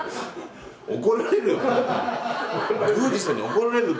怒られるわ。